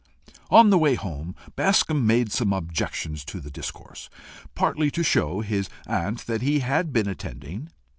On the way home, Bascombe made some objections to the discourse, partly to show his aunt that he had been attending.